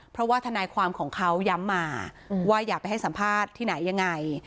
เพราะว่าทนายความของเขาย้ำมาว่าอย่าไปให้สัมภาษณ์ที่ไหนยังไง